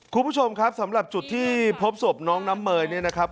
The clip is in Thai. คุณผู้ชมครับสำหรับจุดที่พบศพน้องน้ำเมยเนี่ยนะครับ